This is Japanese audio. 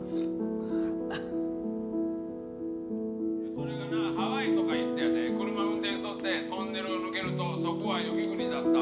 「それがなハワイとか行ってやで車運転しとってトンネル抜けるとそこは雪国だった」